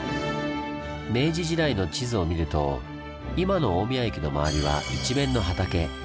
明治時代の地図を見ると今の大宮駅の周りは一面の畑。